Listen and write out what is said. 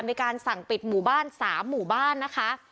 มีการสั่งปิดหมู่บ้าน๓หมู่บ้านนะคะ